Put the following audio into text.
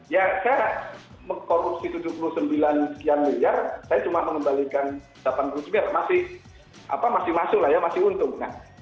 ya saya mengkorupsi tujuh puluh sembilan sekian miliar saya cuma mengembalikan delapan puluh miliar masih masuk lah ya masih untung